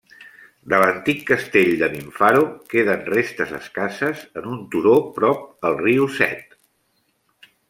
De l'antic Castell de Vinfaro queden restes escasses en un turó prop el riu Set.